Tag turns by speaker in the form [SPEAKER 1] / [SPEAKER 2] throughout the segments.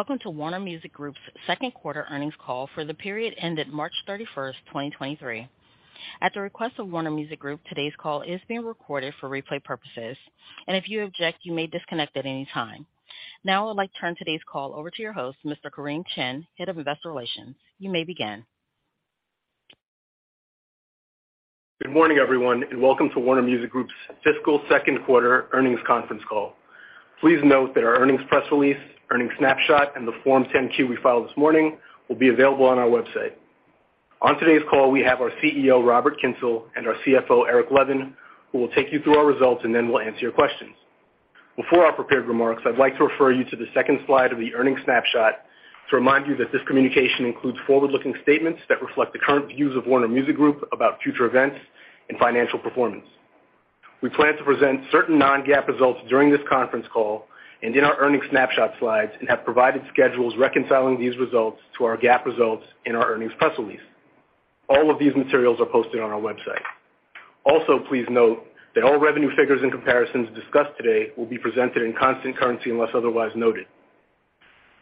[SPEAKER 1] Welcome to Warner Music Group's Second Quarter Earnings Call for the period ended March 31st, 2023. At the request of Warner Music Group, today's call is being recorded for replay purposes. If you object, you may disconnect at any time. Now I would like to turn today's call over to your host, Mr. Kareem Chin, Head of Investor Relations. You may begin.
[SPEAKER 2] Good morning, everyone, and welcome to Warner Music Group's fiscal second quarter earnings conference call. Please note that our earnings press release, earnings snapshot, and the Form 10-Q we filed this morning will be available on our website. On today's call, we have our CEO, Robert Kyncl, and our CFO, Eric Levin, who will take you through our results and then we'll answer your questions. Before our prepared remarks, I'd like to refer you to the second slide of the earnings snapshot to remind you that this communication includes forward-looking statements that reflect the current views of Warner Music Group about future events and financial performance. We plan to present certain non-GAAP results during this conference call and in our earnings snapshot slides, and have provided schedules reconciling these results to our GAAP results in our earnings press release. All of these materials are posted on our website. Please note that all revenue figures and comparisons discussed today will be presented in constant currency unless otherwise noted.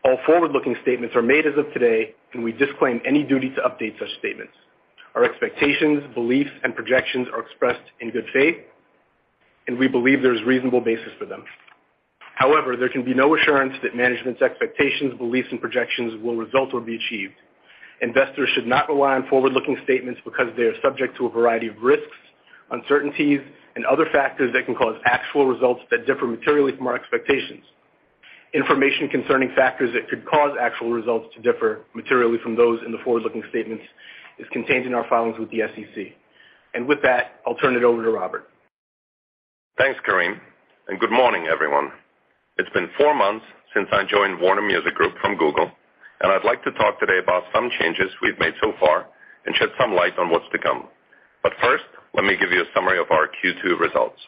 [SPEAKER 2] All forward-looking statements are made as of today. We disclaim any duty to update such statements. Our expectations, beliefs, and projections are expressed in good faith. We believe there's reasonable basis for them. However, there can be no assurance that management's expectations, beliefs, and projections will result or be achieved. Investors should not rely on forward-looking statements because they are subject to a variety of risks, uncertainties, and other factors that can cause actual results that differ materially from our expectations. Information concerning factors that could cause actual results to differ materially from those in the forward-looking statements is contained in our filings with the SEC. With that, I'll turn it over to Robert.
[SPEAKER 3] Thanks, Kareem. Good morning, everyone. It's been four months since I joined Warner Music Group from Google, and I'd like to talk today about some changes we've made so far and shed some light on what's to come. First, let me give you a summary of our Q2 results.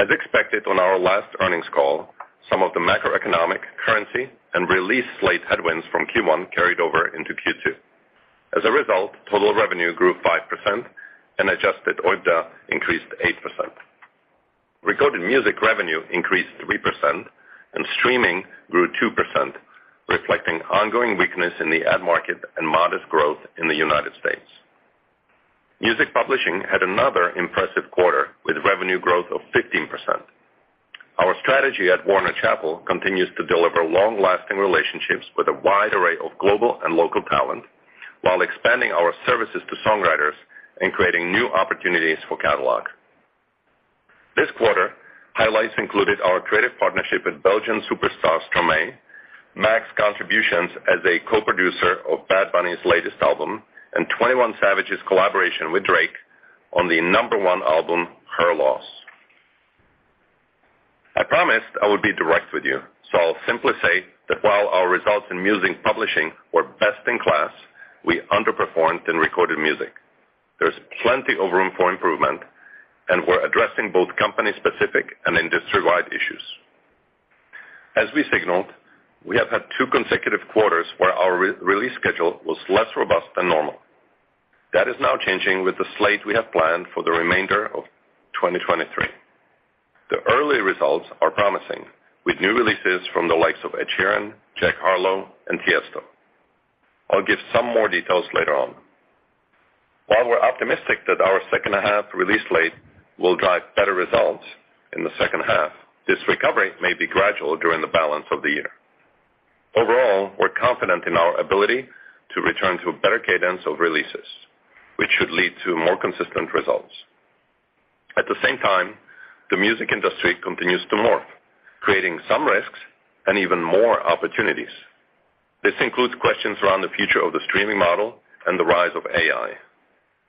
[SPEAKER 3] As expected on our last earnings call, some of the macroeconomic currency and release slate headwinds from Q1 carried over into Q2. As a result, total revenue grew 5% and adjusted OIBDA increased 8%. Recorded music revenue increased 3% and streaming grew 2%, reflecting ongoing weakness in the ad market and modest growth in the United States. Music publishing had another impressive quarter with revenue growth of 15%. Our strategy at Warner Chappell continues to deliver long-lasting relationships with a wide array of global and local talent while expanding our services to songwriters and creating new opportunities for catalog. This quarter, highlights included our creative partnership with Belgian superstar Stromae, Max contributions as a co-producer of Bad Bunny's latest album, and 21 Savage's collaboration with Drake on the number one album, Her Loss. I promised I would be direct with you, I'll simply say that while our results in music publishing were best in class, we underperformed in recorded music. There's plenty of room for improvement, we're addressing both company-specific and industry-wide issues. As we signaled, we have had two consecutive quarters where our re-release schedule was less robust than normal. That is now changing with the slate we have planned for the remainder of 2023. The early results are promising, with new releases from the likes of Ed Sheeran, Jack Harlow, and Tiesto. I'll give some more details later on. While we're optimistic that our second half release slate will drive better results in the second half, this recovery may be gradual during the balance of the year. Overall, we're confident in our ability to return to a better cadence of releases, which should lead to more consistent results. At the same time, the music industry continues to morph, creating some risks and even more opportunities. This includes questions around the future of the streaming model and the rise of AI.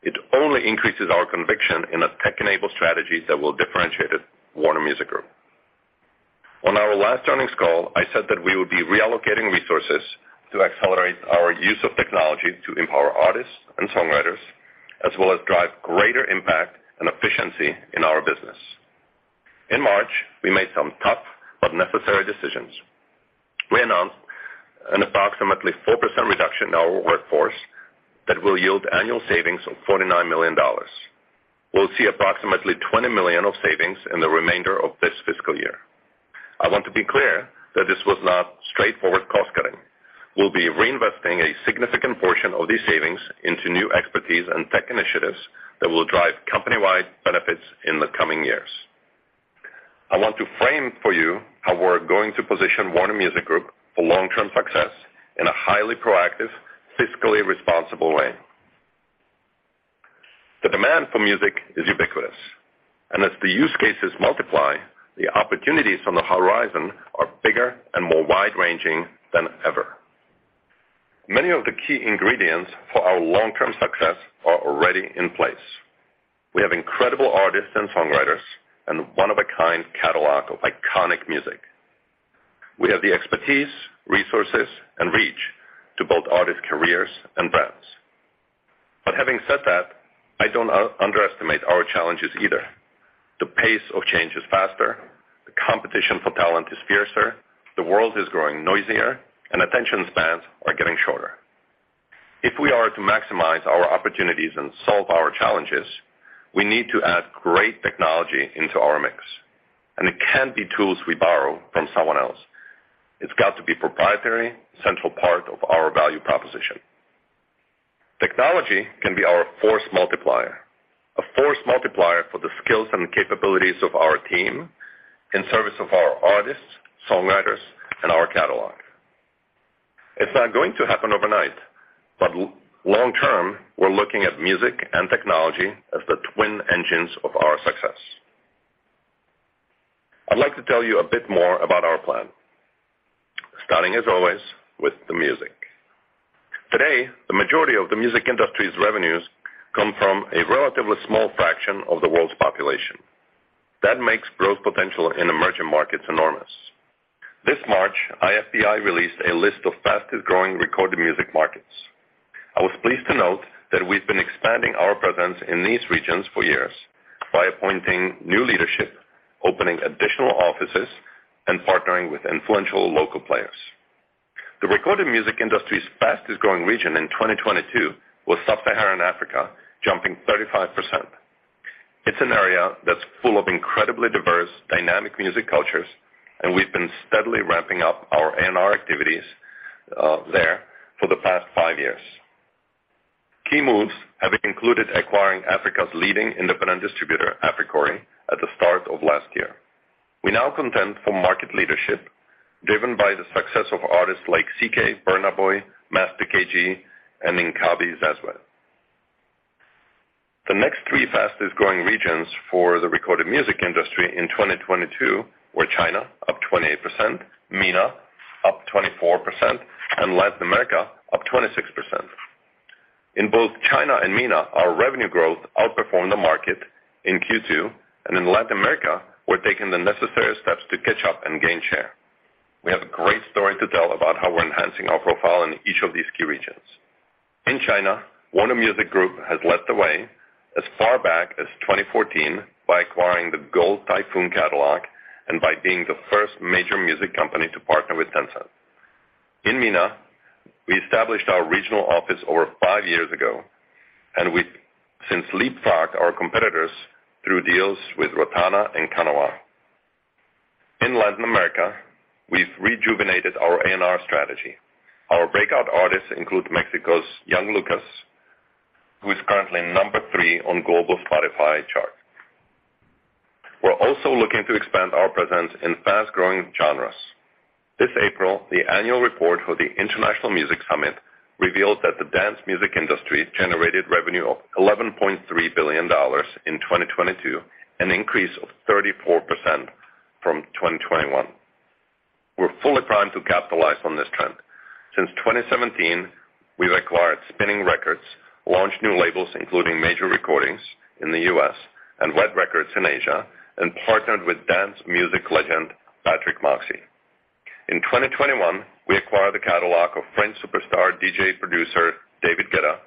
[SPEAKER 3] It only increases our conviction in a tech-enabled strategy that will differentiate Warner Music Group. On our last earnings call, I said that we would be reallocating resources to accelerate our use of technology to empower artists and songwriters, as well as drive greater impact and efficiency in our business. In March, we made some tough but necessary decisions. We announced an approximately 4% reduction in our workforce that will yield annual savings of $49 million. We'll see approximately $20 million of savings in the remainder of this fiscal year. I want to be clear that this was not straightforward cost-cutting. We'll be reinvesting a significant portion of these savings into new expertise and tech initiatives that will drive company-wide benefits in the coming years. I want to frame for you how we're going to position Warner Music Group for long-term success in a highly proactive, fiscally responsible way. The demand for music is ubiquitous. As the use cases multiply, the opportunities on the horizon are bigger and more wide-ranging than ever. Many of the key ingredients for our long-term success are already in place. We have incredible artists and songwriters and one-of-a-kind catalog of iconic music. We have the expertise, resources, and reach to build artist careers and brands. Having said that, I don't underestimate our challenges either. The pace of change is faster, the competition for talent is fiercer, the world is growing noisier, and attention spans are getting shorter. If we are to maximize our opportunities and solve our challenges, we need to add great technology into our mix, and it can't be tools we borrow from someone else. It's got to be proprietary, central part of our value proposition. Technology can be our force multiplier, a force multiplier for the skills and capabilities of our team in service of our artists, songwriters, and our catalog. It's not going to happen overnight, but long term, we're looking at music and technology as the twin engines of our success. I'd like to tell you a bit more about our plan, starting, as always, with the music. Today, the majority of the music industry's revenues come from a relatively small fraction of the world's population. That makes growth potential in emerging markets enormous. This March, IFPI released a list of fastest-growing recorded music markets. I was pleased to note that we've been expanding our presence in these regions for years by appointing new leadership, opening additional offices, and partnering with influential local players. The recorded music industry's fastest-growing region in 2022 was Sub-Saharan Africa, jumping 35%. It's an area that's full of incredibly diverse, dynamic music cultures, and we've been steadily ramping up our A&R activities there for the past five years. Key moves have included acquiring Africa's leading independent distributor, Africori, at the start of last year. We now contend for market leadership, driven by the success of artists like CKay, Burna Boy, Master KG, and Nkosazana Daughter. The next three fastest-growing regions for the recorded music industry in 2022 were China, up 28%, MENA, up 24%, and Latin America, up 26%. In both China and MENA, our revenue growth outperformed the market in Q2, and in Latin America, we're taking the necessary steps to catch up and gain share. We have a great story to tell about how we're enhancing our profile in each of these key regions. In China, Warner Music Group has led the way as far back as 2014 by acquiring the Gold Typhoon catalog and by being the first major music company to partner with Tencent. In MENA, we established our regional office over five years ago, and we've since leapfrogged our competitors through deals with Rotana and Qanawat. In Latin America, we've rejuvenated our A&R strategy. Our breakout artists include Mexico's Yng Lvcas, who is currently number three on global Spotify chart. We're also looking to expand our presence in fast-growing genres. This April, the annual report for the International Music Summit revealed that the dance music industry generated revenue of $11.3 billion in 2022, an increase of 34% from 2021. We're fully primed to capitalize on this trend. Since 2017, we've acquired Spinnin' Records, launched new labels, including Major Recordings in the U.S. and Red Records in Asia, and partnered with dance music legend Patrick Moxey. In 2021, we acquired the catalog of French superstar DJ producer David Guetta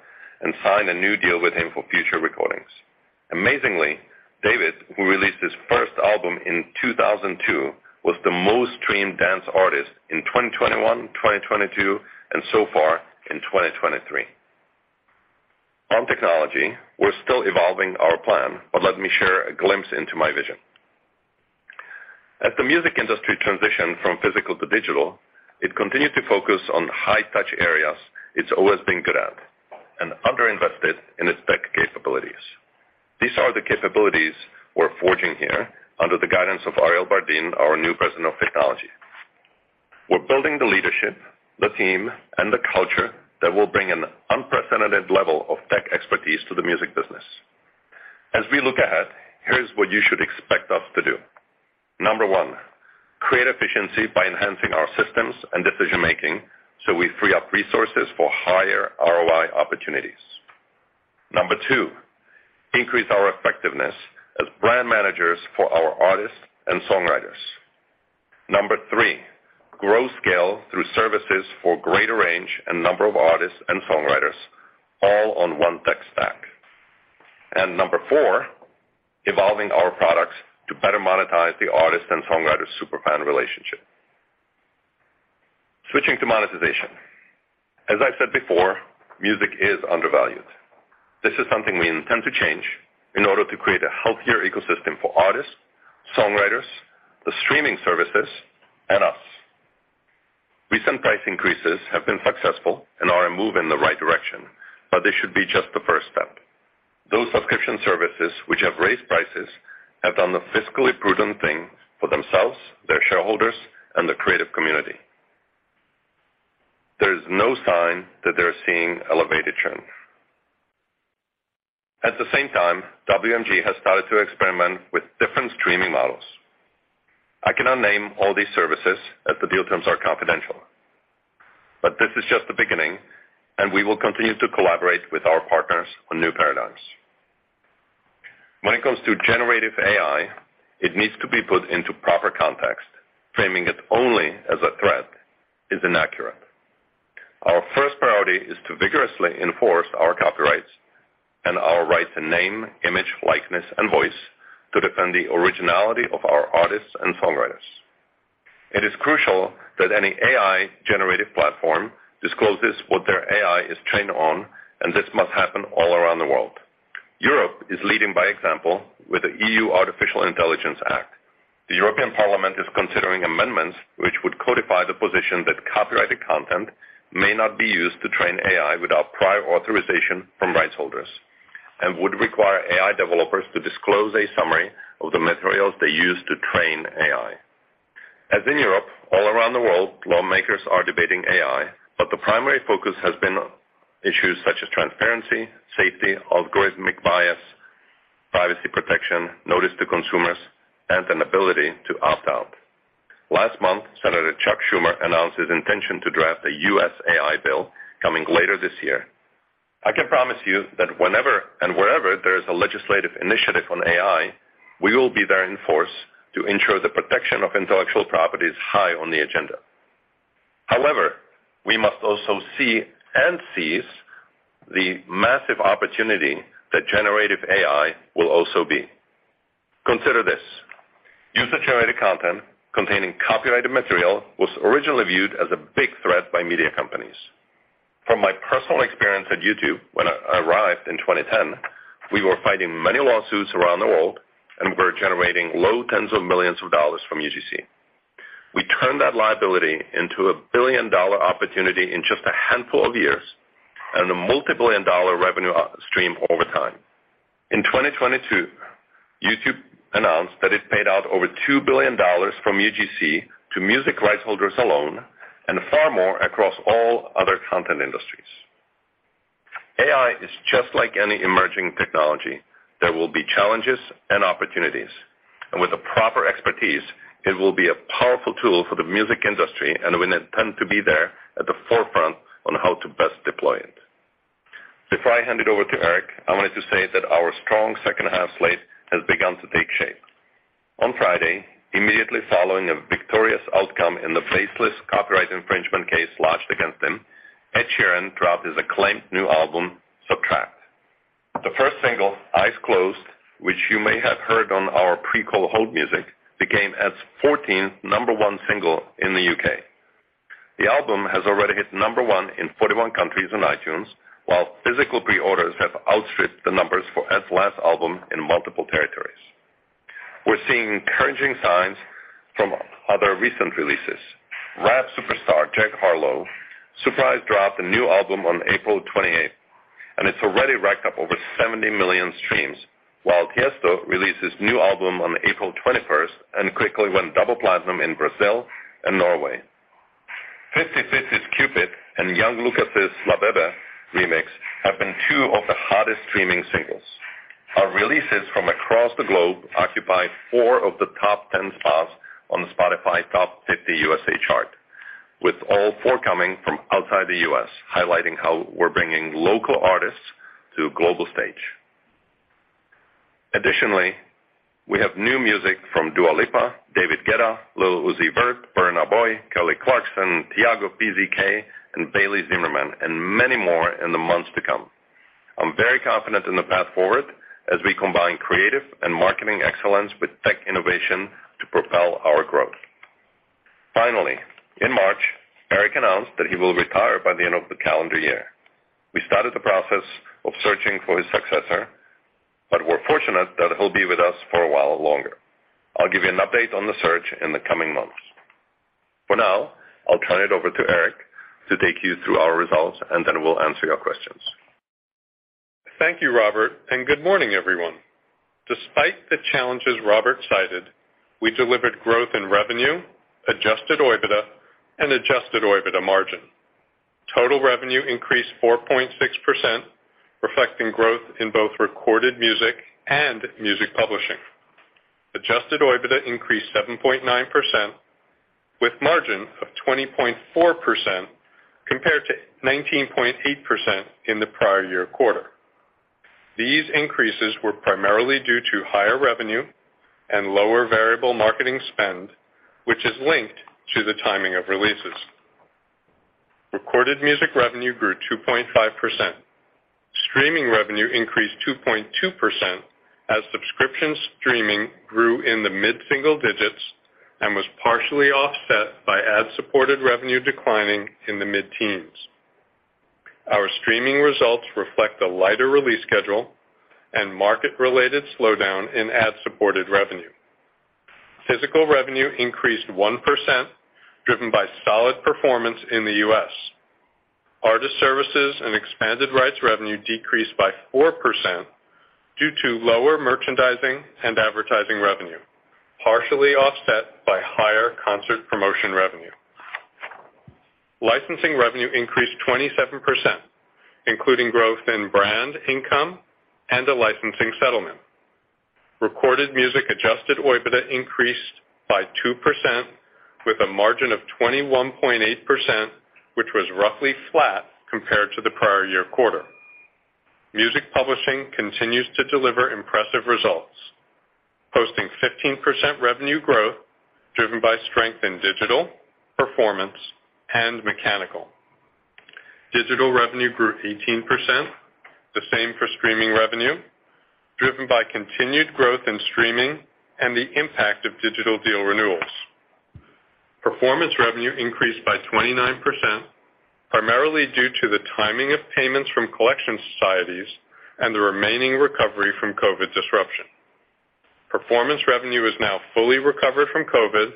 [SPEAKER 3] and signed a new deal with him for future recordings. Amazingly, David, who released his first album in 2002, was the most-streamed dance artist in 2021, 2022, and so far in 2023. On technology, we're still evolving our plan, but let me share a glimpse into my vision. As the music industry transitioned from physical to digital, it continued to focus on high-touch areas it's always been good at and underinvested in its tech capabilities. These are the capabilities we're forging here under the guidance of Ariel Bardin, our new President of Technology. We're building the leadership, the team, and the culture that will bring an unprecedented level of tech expertise to the music business. As we look ahead, here's what you should expect us to do. Number one, create efficiency by enhancing our systems and decision-making, so we free up resources for higher ROI opportunities. Number two, increase our effectiveness as brand managers for our artists and songwriters. Number three, grow scale through services for greater range and number of artists and songwriters, all on one tech stack. Number four, evolving our products to better monetize the artist and songwriter superfan relationship. Switching to monetization. As I said before, music is undervalued. This is something we intend to change in order to create a healthier ecosystem for artists, songwriters, the streaming services, and us. Recent price increases have been successful and are a move in the right direction, they should be just the first step. Those subscription services which have raised prices have done the fiscally prudent thing for themselves, their shareholders, and the creative community. There is no sign that they're seeing elevated churn. At the same time, WMG has started to experiment with different streaming models. I cannot name all these services, as the deal terms are confidential. This is just the beginning, and we will continue to collaborate with our partners on new paradigms. When it comes to generative AI, it needs to be put into proper context. Framing it only as a threat is inaccurate. Our first priority is to vigorously enforce our copyrights and our right to name, image, likeness, and voice to defend the originality of our artists and songwriters. It is crucial that any AI-generated platform discloses what their AI is trained on, and this must happen all around the world. Europe is leading by example with the EU Artificial Intelligence Act. The European Parliament is considering amendments which would codify the position that copyrighted content may not be used to train AI without prior authorization from rights holders and would require AI developers to disclose a summary of the materials they use to train AI. As in Europe, all around the world, lawmakers are debating AI, but the primary focus has been on issues such as transparency, safety, algorithmic bias, privacy protection, notice to consumers, and an ability to opt out. Last month, Senator Chuck Schumer announced his intention to draft a U.S. AI bill coming later this year. I can promise you that whenever and wherever there is a legislative initiative on AI, we will be there in force to ensure the protection of intellectual property is high on the agenda. We must also see and seize the massive opportunity that generative AI will also be. Consider this. User-generated content containing copyrighted material was originally viewed as a big threat by media companies. From my personal experience at YouTube when I arrived in 2010, we were fighting many lawsuits around the world, and we were generating low tens of millions of dollars from UGC. We turned that liability into a billion-dollar opportunity in just a handful of years and a multibillion-dollar revenue stream over time. In 2022, YouTube announced that it paid out over $2 billion from UGC to music rights holders alone and far more across all other content industries. AI is just like any emerging technology. There will be challenges and opportunities, and with the proper expertise, it will be a powerful tool for the music industry, and we intend to be there at the forefront on how to best deploy it. Before I hand it over to Eric, I wanted to say that our strong second-half slate has begun to take shape. On Friday, immediately following a victorious outcome in the baseless copyright infringement case lodged against him, Ed Sheeran dropped his acclaimed new album, Subtract. The first single, Eyes Closed, which you may have heard on our pre-call hold music, became Ed's fourteenth number one single in the U.K.. The album has already hit number one in 41 countries on iTunes, while physical pre-orders have outstripped the numbers for Ed's last album in multiple territories. We're seeing encouraging signs from other recent releases. Rap superstar Jack Harlow surprised dropped a new album on April 28th, and it's already racked up over 70 million streams, while Tiesto released his new album on April 21st and quickly went double platinum in Brazil and Norway. Fifty Fifty's Cupid and Yng Lvcas' La Bebe remix have been two of the hottest streaming singles. Our releases from across the globe occupy four of the top 10 spots on the Spotify Top Fifty USA chart, with all four coming from outside the U.S., highlighting how we're bringing local artists to a global stage. Additionally, we have new music from Dua Lipa, David Guetta, Lil Uzi Vert, Burna Boy, Kelly Clarkson, Tiago PZK, and Bailey Zimmerman, and many more in the months to come. I'm very confident in the path forward as we combine creative and marketing excellence with tech innovation to propel our growth. Finally, in March, Eric announced that he will retire by the end of the calendar year. We started the process of searching for his successor, but we're fortunate that he'll be with us for a while longer. I'll give you an update on the search in the coming months. For now, I'll turn it over to Eric to take you through our results, and then we'll answer your questions.
[SPEAKER 4] Thank you, Robert, and good morning, everyone. Despite the challenges Robert cited, we delivered growth in revenue, adjusted OIBDA, and adjusted OIBDA margin. Total revenue increased 4.6%, reflecting growth in both recorded music and music publishing. Adjusted OIBDA increased 7.9% with margin of 20.4% compared to 19.8% in the prior year quarter. These increases were primarily due to higher revenue and lower variable marketing spend, which is linked to the timing of releases. Recorded music revenue grew 2.5%. Streaming revenue increased 2.2% as subscription streaming grew in the mid-single digits and was partially offset by ad-supported revenue declining in the mid-teens. Our streaming results reflect a lighter release schedule and market-related slowdown in ad-supported revenue. Physical revenue increased 1%, driven by solid performance in the U.S. Artist services and expanded rights revenue decreased by 4% due to lower merchandising and advertising revenue, partially offset by higher concert promotion revenue. Licensing revenue increased 27%, including growth in brand income and a licensing settlement. Recorded music adjusted OIBDA increased by 2% with a margin of 21.8%, which was roughly flat compared to the prior year quarter. Music publishing continues to deliver impressive results, posting 15% revenue growth driven by strength in digital, performance, and mechanical. Digital revenue grew 18%, the same for streaming revenue, driven by continued growth in streaming and the impact of digital deal renewals. Performance revenue increased by 29%, primarily due to the timing of payments from collection societies and the remaining recovery from COVID disruption. Performance revenue is now fully recovered from COVID,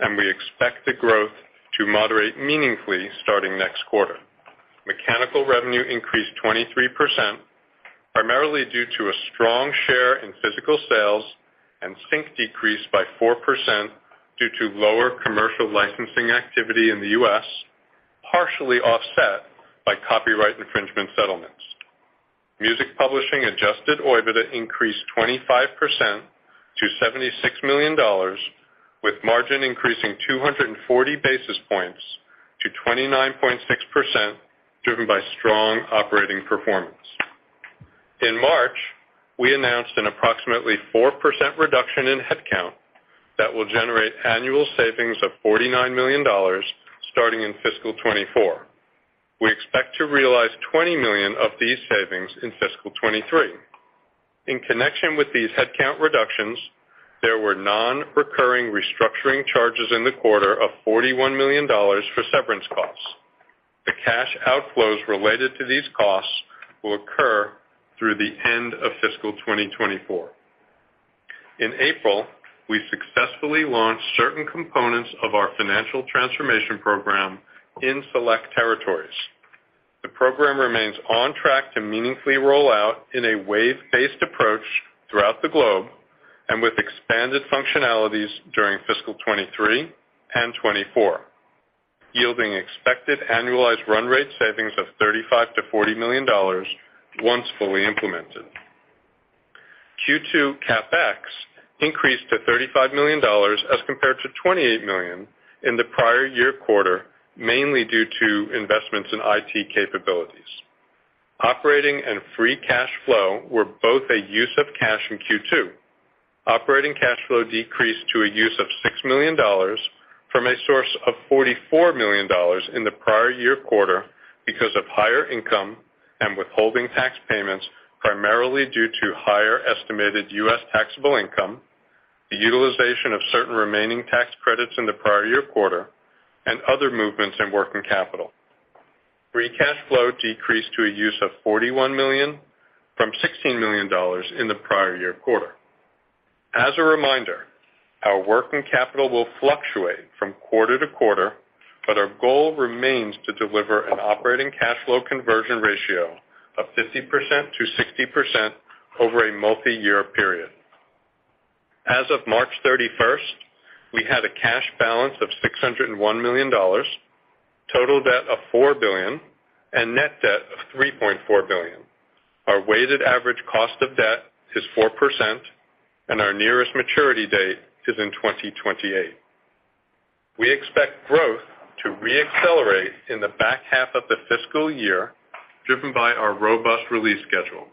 [SPEAKER 4] and we expect the growth to moderate meaningfully starting next quarter. Mechanical revenue increased 23%, primarily due to a strong share in physical sales, and sync decreased by 4% due to lower commercial licensing activity in the U.S., partially offset by copyright infringement settlements. Music publishing adjusted OIBDA increased 25% to $76 million, with margin increasing 240 basis points to 29.6%, driven by strong operating performance. In March, we announced an approximately 4% reduction in headcount that will generate annual savings of $49 million starting in fiscal 2024. We expect to realize $20 million of these savings in fiscal 2023. In connection with these headcount reductions, there were non-recurring restructuring charges in the quarter of $41 million for severance costs. The cash outflows related to these costs will occur through the end of fiscal 2024. In April, we successfully launched certain components of our financial transformation program in select territories. The program remains on track to meaningfully roll out in a wave-based approach throughout the globe and with expanded functionalities during fiscal 2023 and 2024, yielding expected annualized run rate savings of $35 million-$40 million once fully implemented. Q2 CapEx increased to $35 million as compared to $28 million in the prior year quarter, mainly due to investments in IT capabilities. Operating and free cash flow were both a use of cash in Q2. Operating cash flow decreased to a use of $6 million from a source of $44 million in the prior year quarter because of higher income and withholding tax payments, primarily due to higher estimated U.S. taxable income, the utilization of certain remaining tax credits in the prior year quarter, and other movements in working capital. Free cash flow decreased to a use of $41 million from $16 million in the prior year quarter. As a reminder, our working capital will fluctuate from quarter-to-quarter, but our goal remains to deliver an operating cash flow conversion ratio of 50% to 60% over a multiyear period. As of March 31st, we had a cash balance of $601 million, total debt of $4 billion, and net debt of $3.4 billion. Our weighted average cost of debt is 4%, and our nearest maturity date is in 2028. We expect growth to re-accelerate in the back half of the fiscal year, driven by our robust release schedule.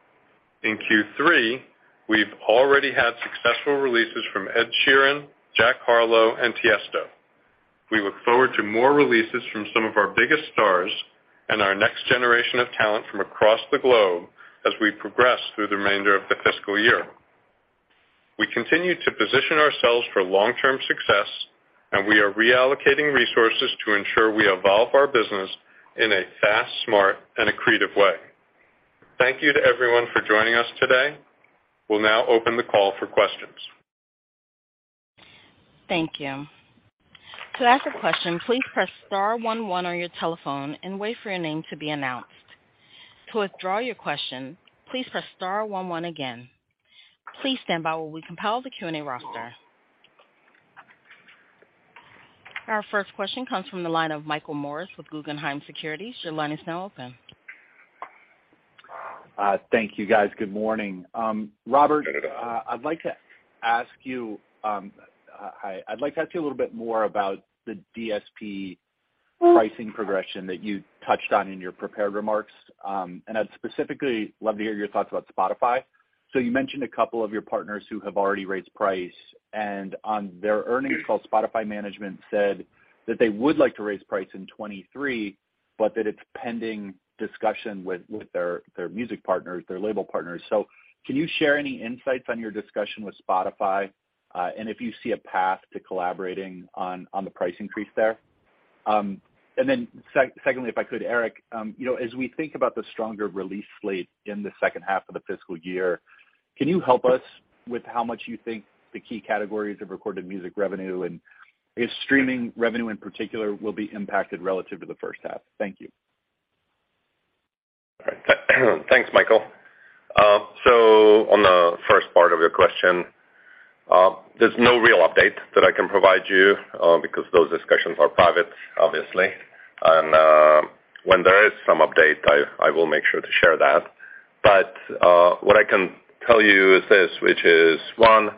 [SPEAKER 4] In Q3, we've already had successful releases from Ed Sheeran, Jack Harlow, and Tiesto. We look forward to more releases from some of our biggest stars and our next generation of talent from across the globe as we progress through the remainder of the fiscal year. We continue to position ourselves for long-term success, and we are reallocating resources to ensure we evolve our business in a fast, smart, and accretive way. Thank you to everyone for joining us today. We'll now open the call for questions.
[SPEAKER 1] Thank you. To ask a question, please press star one one on your telephone and wait for your name to be announced. To withdraw your question, please press star one one again. Please stand by while we compile the Q and A roster. Our first question comes from the line of Michael Morris with Guggenheim Securities. Your line is now open.
[SPEAKER 5] Thank you guys. Good morning. Robert, I'd like to ask you, hi. I'd like to ask you a little bit more about the DSP pricing progression that you touched on in your prepared remarks. I'd specifically love to hear your thoughts about Spotify. You mentioned a couple of your partners who have already raised price, and on their earnings call, Spotify management said that they would like to raise price in 2023, but that it's pending discussion with their music partners, their label partners. Can you share any insights on your discussion with Spotify, and if you see a path to collaborating on the price increase there? Then secondly, if I could, Eric, you know, as we think about the stronger release slate in the second half of the fiscal year, can you help us with how much you think the key categories of recorded music revenue and if streaming revenue, in particular, will be impacted relative to the first half? Thank you.
[SPEAKER 3] All right. Thanks, Michael. On the first part of your question, there's no real update that I can provide you, because those discussions are private, obviously. When there is some update, I will make sure to share that. What I can tell you is this, which is, one,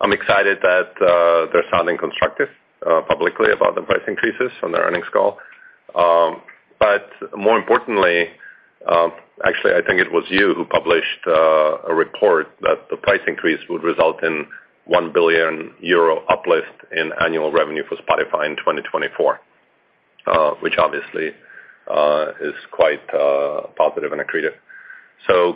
[SPEAKER 3] I'm excited that, they're sounding constructive, publicly about the price increases on their earnings call. More importantly I think it was you who published, a report that the price increase would result in 1 billion euro uplift in annual revenue for Spotify in 2024. Which obviously, is quite, positive and accretive.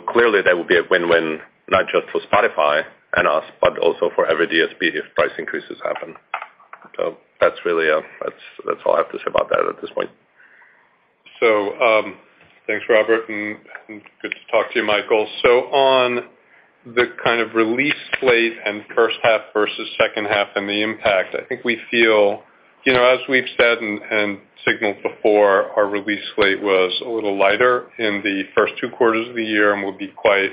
[SPEAKER 3] Clearly, that will be a win-win not just for Spotify and us, but also for every DSP if price increases happen. That's really, that's all I have to say about that at this point.
[SPEAKER 4] Thanks, Robert, and good to talk to you, Michael. On the kind of release slate and first half versus second half and the impact, I think we feel, you know, as we've said and signaled before, our release slate was a little lighter in the first two quarters of the year and will be quite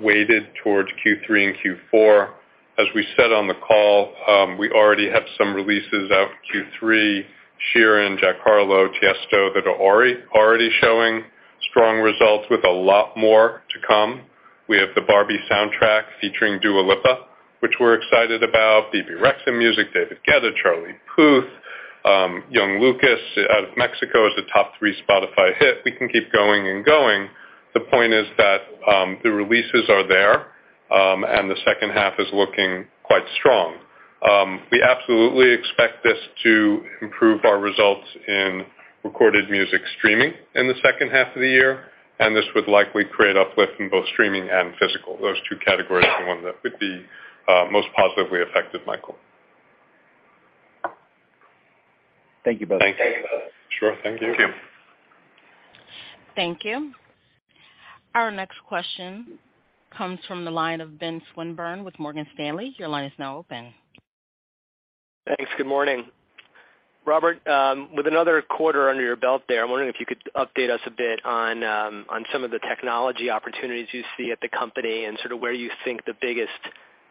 [SPEAKER 4] weighted towards Q3 and Q4. As we said on the call, we already have some releases out for Q3, Sheeran, Jack Harlow, Tiesto, that are already showing strong results with a lot more to come. We have the Barbie soundtrack featuring Dua Lipa, which we're excited about. Bebe Rexha music, David Guetta, Charlie Puth, Yng Lvcas out of Mexico is a top three Spotify hit. We can keep going and going. The point is that, the releases are there, and the second half is looking quite strong. We absolutely expect this to improve our results in recorded music streaming in the second half of the year, and this would likely create uplift in both streaming and physical. Those two categories are the ones that would be most positively affected, Michael.
[SPEAKER 5] Thank you both.
[SPEAKER 4] Sure. Thank you.
[SPEAKER 3] Thank you.
[SPEAKER 1] Thank you. Our next question comes from the line of Ben Swinburne with Morgan Stanley. Your line is now open.
[SPEAKER 6] Thanks. Good morning. Robert, with another quarter under your belt there, I'm wondering if you could update us a bit on some of the technology opportunities you see at the company and sort of where you think the biggest,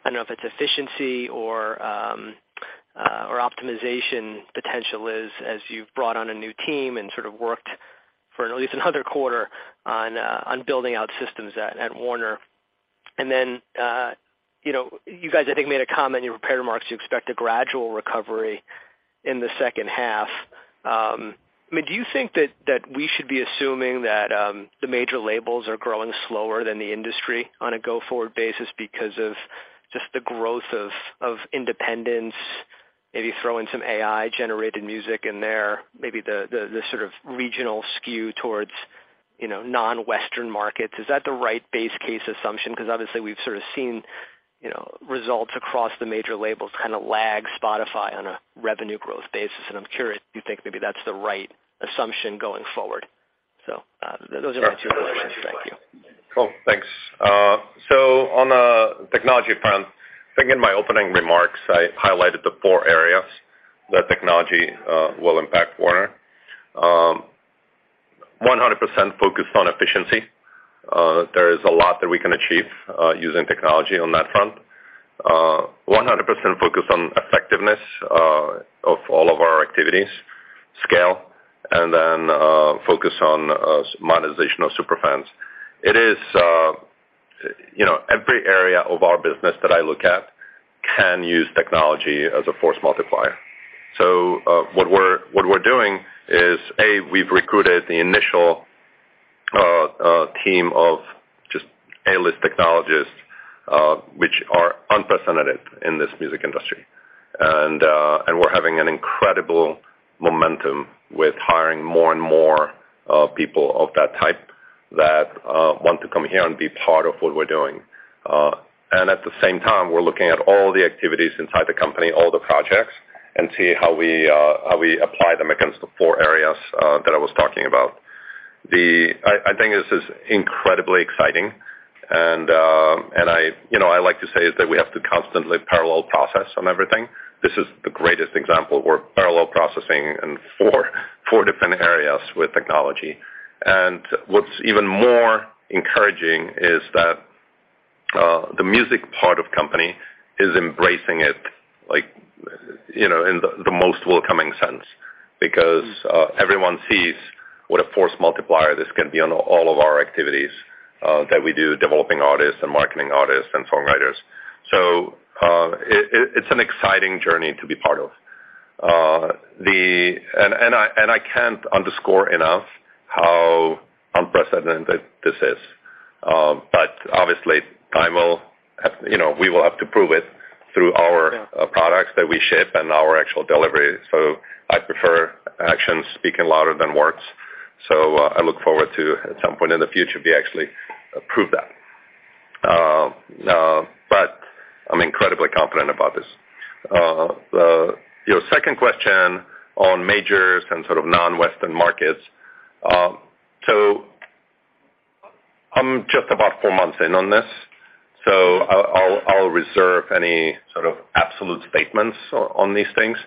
[SPEAKER 6] I don't know if it's efficiency or optimization potential is as you've brought on a new team and sort of worked for at least another quarter on building out systems at Warner. You know, you guys, I think, made a comment in your prepared remarks, you expect a gradual recovery in the second half. I mean, do you think that we should be assuming that the major labels are growing slower than the industry on a go-forward basis because of just the growth of independents, maybe throw in some AI-generated music in there, maybe the sort of regional skew towards, you know, non-Western markets? Is that the right base case assumption? 'Cause obviously we've sort of seen, you know, results across the major labels kind of lag Spotify on a revenue growth basis. I'm curious if you think maybe that's the right assumption going forward. Those are my two questions. Thank you.
[SPEAKER 3] Cool. Thanks. On a technology front, I think in my opening remarks, I highlighted the four areas that technology will impact Warner. 100% focused on efficiency. There is a lot that we can achieve using technology on that front. 100% focused on effectiveness of all of our activities, scale, and then focus on monetization of super fans. It is, you know, every area of our business that I look at can use technology as a force multiplier. What we're doing is, A, we've recruited the initial team of just A-list technologists, which are unprecedented in this music industry. We're having an incredible momentum with hiring more and more people of that type that want to come here and be part of what we're doing. At the same time, we're looking at all the activities inside the company, all the projects, and see how we apply them against the four areas that I was talking about. I think this is incredibly exciting and I, you know, I like to say is that we have to constantly parallel process on everything. This is the greatest example. We're parallel processing in four different areas with technology. What's even more encouraging is that the music part of company is embracing it, like, you know, in the most welcoming sense because everyone sees what a force multiplier this can be on all of our activities that we do developing artists and marketing artists and songwriters. It's an exciting journey to be part of. I can't underscore enough how unprecedented this is. Obviously, you know, we will have to prove it through our products that we ship and our actual delivery. I prefer actions speaking louder than words. I look forward to, at some point in the future, we actually prove that. I'm incredibly confident about this. Your second question on majors and sort of non-Western markets. I'm just about four months in on this, I'll reserve any sort of absolute statements on these things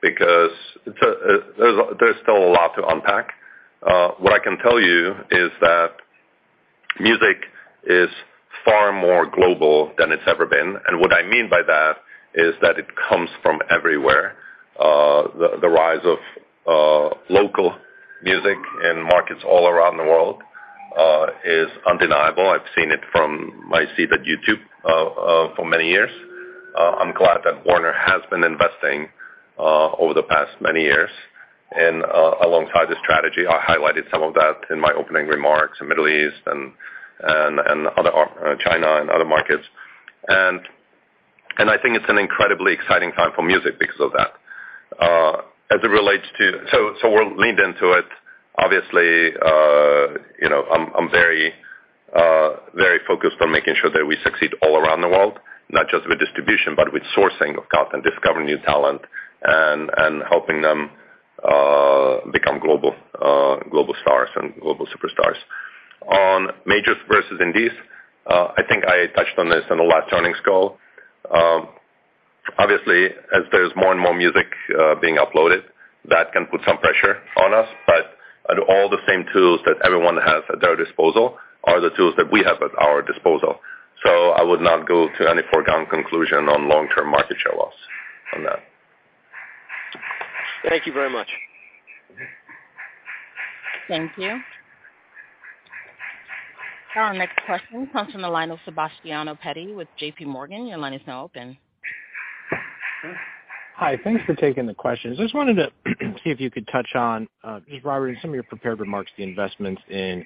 [SPEAKER 3] because it's, there's still a lot to unpack. What I can tell you is that music is far more global than it's ever been, and what I mean by that is that it comes from everywhere. The rise of local music in markets all around the world is undeniable. I've seen it from my seat at YouTube for many years. I'm glad that Warner has been investing over the past many years alongside the strategy. I highlighted some of that in my opening remarks in Middle East and China and other markets. I think it's an incredibly exciting time for music because of that. We're leaned into it. Obviously, you know, I'm very focused on making sure that we succeed all around the world, not just with distribution, but with sourcing of content, discovering new talent and helping them become global stars and global superstars. On majors versus indies, I think I touched on this in the last earnings call. Obviously, as there's more and more music being uploaded, that can put some pressure on us. All the same tools that everyone has at their disposal are the tools that we have at our disposal. I would not go to any foregone conclusion on long-term market share loss on that.
[SPEAKER 6] Thank you very much.
[SPEAKER 1] Thank you. Our next question comes from the line of Sebastiano Petti with J.P. Morgan. Your line is now open.
[SPEAKER 7] Hi. Thanks for taking the questions. I just wanted to see if you could touch on, just Robert, in some of your prepared remarks, the investments in,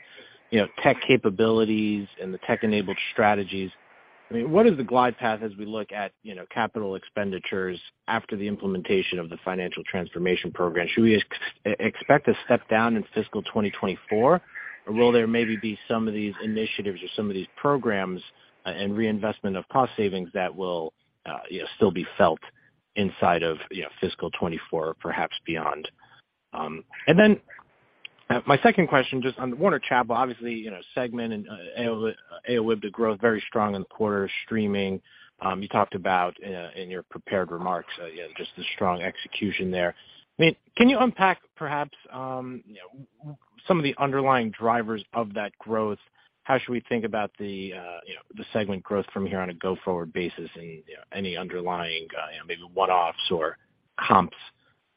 [SPEAKER 7] you know, tech capabilities and the tech-enabled strategies. I mean, what is the glide path as we look at, you know, capital expenditures after the implementation of the financial transformation program? Should we expect a step down in fiscal 2024? Or will there maybe be some of these initiatives or some of these programs, and reinvestment of cost savings that will, you know, still be felt inside of, you know, fiscal 2024, perhaps beyond? My second question, just on the Warner Chappell, obviously, you know, segment and OIBDA growth, very strong in the quarter. Streaming, you talked about in your prepared remarks, you know, just the strong execution there. I mean, can you unpack perhaps, you know, some of the underlying drivers of that growth? How should we think about the, you know, the segment growth from here on a go-forward basis and, you know, any underlying, you know, maybe one-offs or comps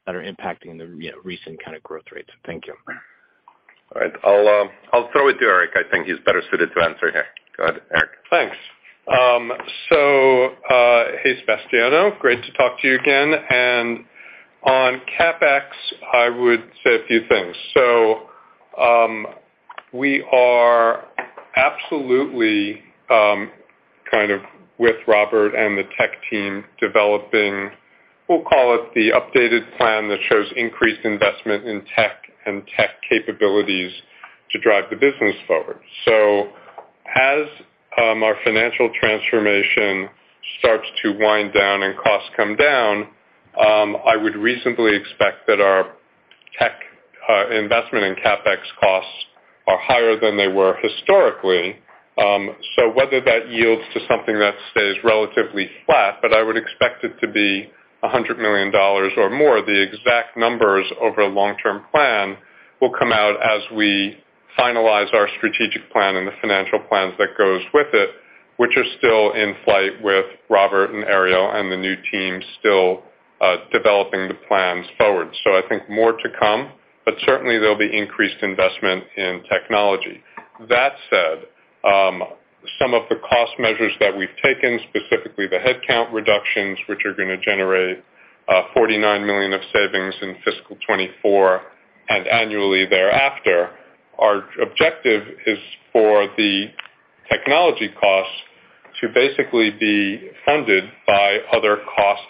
[SPEAKER 7] that are impacting the, you know, recent kind of growth rates? Thank you.
[SPEAKER 3] All right. I'll throw it to Eric. I think he's better suited to answer here. Go ahead, Eric.
[SPEAKER 4] Thanks. Hey, Sebastiano. Great to talk to you again. On CapEx, I would say a few things. We are absolutely with Robert and the tech team developing, we'll call it the updated plan that shows increased investment in tech and tech capabilities to drive the business forward. As our financial transformation starts to wind down and costs come down, I would reasonably expect that our tech investment and CapEx costs are higher than they were historically. Whether that yields to something that stays relatively flat, but I would expect it to be $100 million or more. The exact numbers over a long-term plan will come out as we finalize our strategic plan and the financial plans that goes with it, which are still in flight with Robert and Ariel and the new team still, developing the plans forward. I think more to come, but certainly there'll be increased investment in technology. That said, some of the cost measures that we've taken, specifically the headcount reductions, which are gonna generate, $49 million of savings in fiscal 2024 and annually thereafter, our objective is for the technology costs to basically be funded by other cost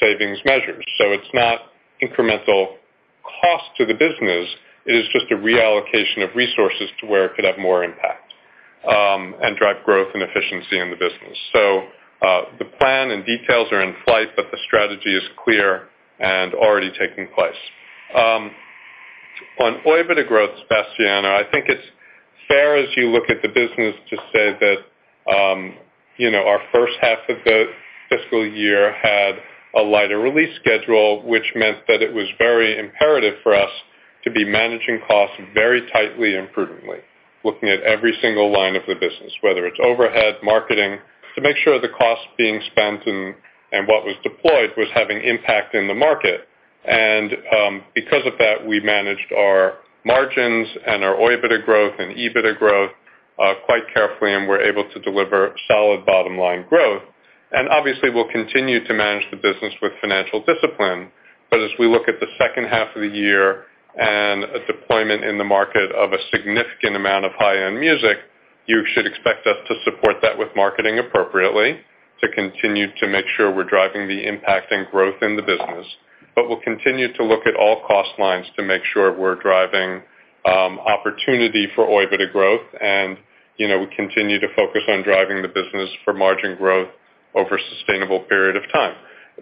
[SPEAKER 4] savings measures. It's not incremental cost to the business, it is just a reallocation of resources to where it could have more impact, and drive growth and efficiency in the business. The plan and details are in flight, but the strategy is clear and already taking place. On OIBDA growth, Sebastiano, I think it's fair as you look at the business to say that, you know, our first half of the fiscal year had a lighter release schedule, which meant that it was very imperative for us to be managing costs very tightly and prudently, looking at every single line of the business, whether it's overhead, marketing, to make sure the cost being spent and what was deployed was having impact in the market. Because of that, we managed our margins and our OIBDA growth and EBITDA growth quite carefully, and we're able to deliver solid bottom line growth. Obviously, we'll continue to manage the business with financial discipline. As we look at the second half of the year and a deployment in the market of a significant amount of high-end music, you should expect us to support that with marketing appropriately to continue to make sure we're driving the impact and growth in the business. We'll continue to look at all cost lines to make sure we're driving opportunity for OIBDA growth, and, you know, we continue to focus on driving the business for margin growth over a sustainable period of time.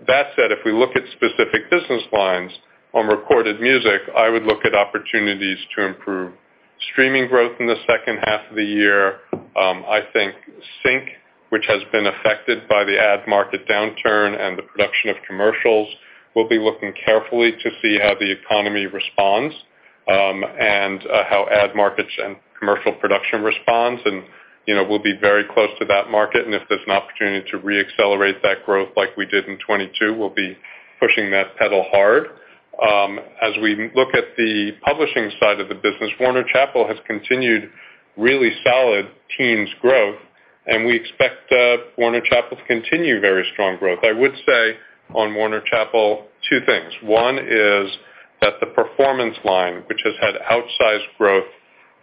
[SPEAKER 4] That said, if we look at specific business lines on recorded music, I would look at opportunities to improve streaming growth in the second half of the year. I think sync, which has been affected by the ad market downturn and the production of commercials, we'll be looking carefully to see how the economy responds, and how ad markets and commercial production responds. You know, we'll be very close to that market, and if there's an opportunity to reaccelerate that growth like we did in 22, we'll be pushing that pedal hard. As we look at the publishing side of the business, Warner Chappell has continued Really solid teams growth. We expect Warner Chappell to continue very strong growth. I would say on Warner Chappell two things. One is that the performance line, which has had outsized growth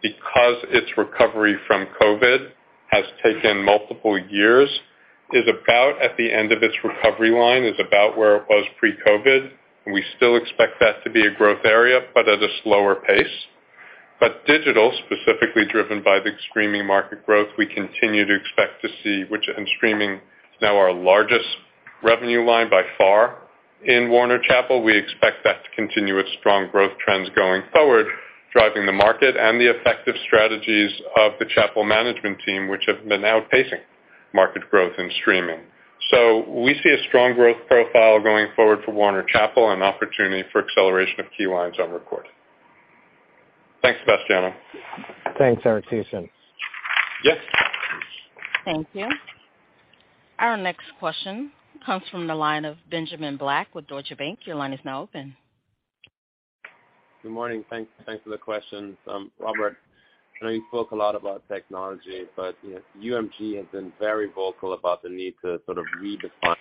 [SPEAKER 4] because its recovery from COVID has taken multiple years, is about at the end of its recovery line, is about where it was pre-COVID, and we still expect that to be a growth area, but at a slower pace. Digital, specifically driven by the streaming market growth, we continue to expect to see, which in streaming is now our largest revenue line by far in Warner Chappell. We expect that to continue with strong growth trends going forward, driving the market and the effective strategies of the Chappell management team, which have been outpacing market growth and streaming. We see a strong growth profile going forward for Warner Chappell, an opportunity for acceleration of key lines on record. Thanks, Sebastiano.
[SPEAKER 7] Thanks, Eric.
[SPEAKER 4] Yes.
[SPEAKER 1] Thank you. Our next question comes from the line of Benjamin Black with Deutsche Bank. Your line is now open.
[SPEAKER 8] Good morning. Thank for the questions. Robert, I know you spoke a lot about technology, you know, UMG has been very vocal about the need to sort of redefine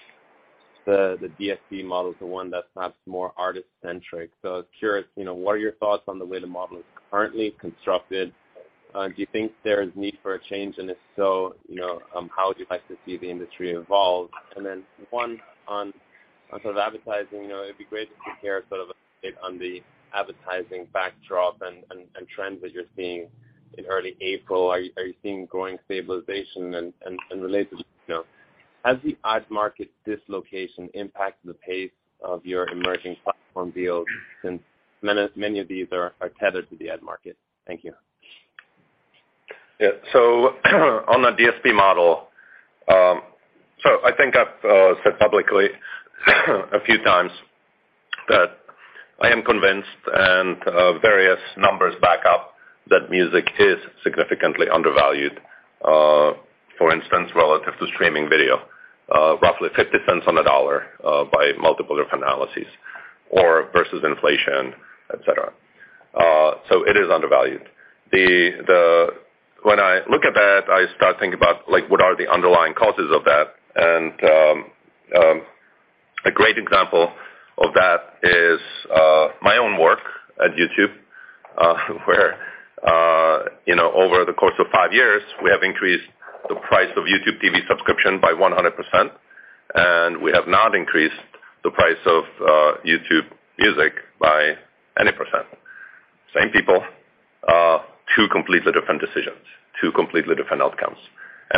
[SPEAKER 8] the DSP model to one that's perhaps more artist-centric. I was curious, you know, what are your thoughts on the way the model is currently constructed? Do you think there is need for a change? If so, you know, how would you like to see the industry evolve? One on sort of advertising. You know, it'd be great if you care sort of update on the advertising backdrop and trends that you're seeing in early April. Are you seeing growing stabilization? Related, you know, has the ad market dislocation impacted the pace of your emerging platform deals since many of these are tethered to the ad market? Thank you.
[SPEAKER 3] On the DSP model, I think I've said publicly a few times that I am convinced, and various numbers back up that music is significantly undervalued, for instance, relative to streaming video, roughly $0.50 on the dollar, by multiple different analyses or versus inflation, et cetera. It is undervalued. When I look at that, I start thinking about like, what are the underlying causes of that? A great example of that is my own work at YouTube, where, you know, over the course of five years we have increased the price of YouTube TV subscription by 100%, and we have not increased the price of YouTube Music by any %. Same people, two completely different decisions, two completely different outcomes.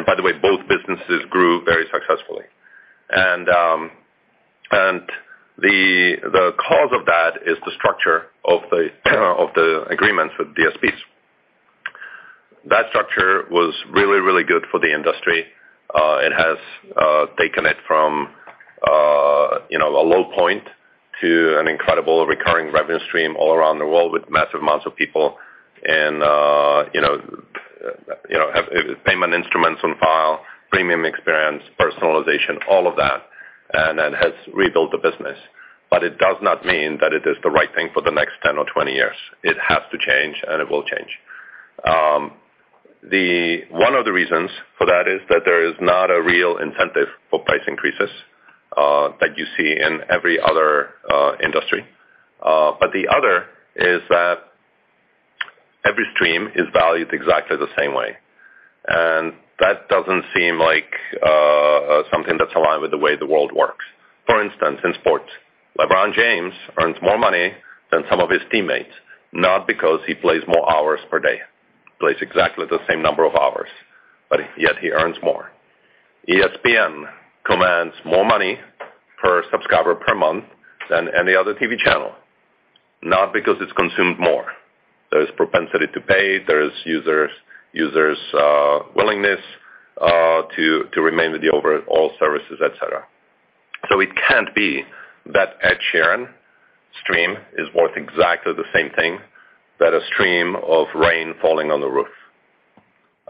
[SPEAKER 3] By the way, both businesses grew very successfully. The cause of that is the structure of the agreements with DSPs. That structure was really good for the industry. It has taken it from, you know, a low point to an incredible recurring revenue stream all around the world with massive amounts of people and, you know, payment instruments on file, premium experience, personalization, all of that, and then has rebuilt the business. It does not mean that it is the right thing for the next 10 or 20 years. It has to change, and it will change. One of the reasons for that is that there is not a real incentive for price increases that you see in every other industry. The other is that every stream is valued exactly the same way, and that doesn't seem like something that's aligned with the way the world works. For instance, in sports, LeBron James earns more money than some of his teammates, not because he plays more hours per day. Plays exactly the same number of hours, but yet he earns more. ESPN commands more money per subscriber per month than any other TV channel, not because it's consumed more. There's propensity to pay, there's users' willingness to remain with the overall services, et cetera. It can't be that Ed Sheeran stream is worth exactly the same thing that a stream of rain falling on the roof.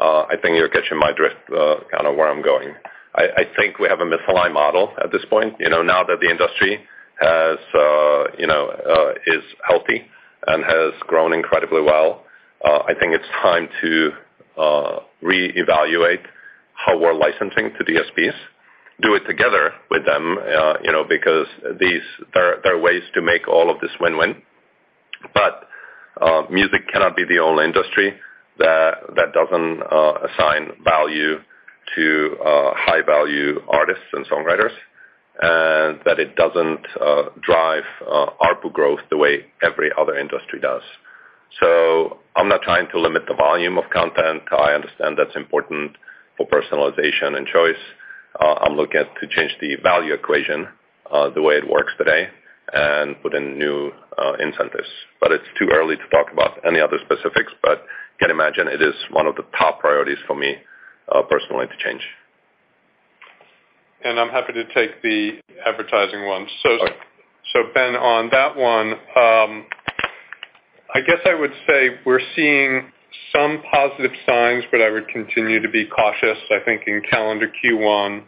[SPEAKER 3] I think you're catching my drift, kind of where I'm going. I think we have a misaligned model at this point. You know, now that the industry has, you know, is healthy and has grown incredibly well, I think it's time to reevaluate how we're licensing to DSPs, do it together with them, you know, because there are ways to make all of this win-win. Music cannot be the only industry that doesn't assign value to high value artists and songwriters and that it doesn't drive ARPU growth the way every other industry does. I'm not trying to limit the volume of content. I understand that's important for personalization and choice. I'm looking at to change the value equation, the way it works today and put in new incentives. It's too early to talk about any other specifics. You can imagine it is one of the top priorities for me, personally to change.
[SPEAKER 4] I'm happy to take the advertising one.
[SPEAKER 3] Okay.
[SPEAKER 4] Ben, on that one, I guess I would say we're seeing some positive signs, but I would continue to be cautious. I think in calendar Q1,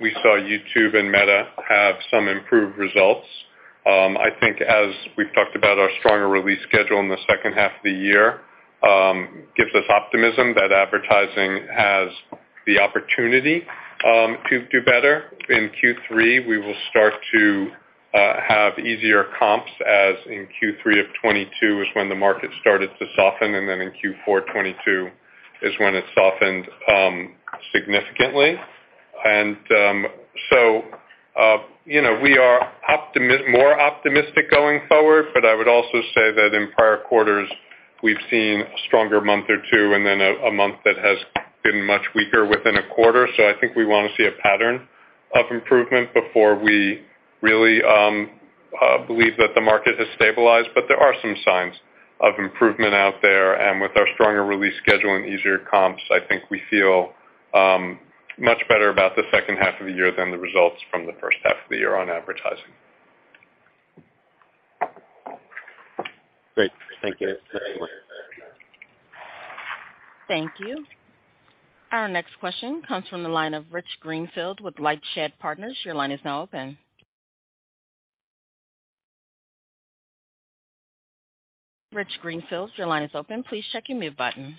[SPEAKER 4] we saw YouTube and Meta have some improved results. I think as we've talked about our stronger release schedule in the second half of the year, gives us optimism that advertising has the opportunity to do better. In Q3, we will start to have easier comps, as in Q3 of 2022 is when the market started to soften, and then in Q4 2022 is when it softened significantly. you know, we are more optimistic going forward, but I would also say that in prior quarters we've seen a stronger month or two and then a month that has been much weaker within a quarter. I think we wanna see a pattern of improvement before we really believe that the market has stabilized. There are some signs of improvement out there. With our stronger release schedule and easier comps, I think we feel much better about the second half of the year than the results from the first half of the year on advertising.
[SPEAKER 8] Great. Thank you.
[SPEAKER 1] Thank you. Our next question comes from the line of Rich Greenfield with LightShed Partners. Your line is now open. Rich Greenfield, your line is open. Please check your mute button.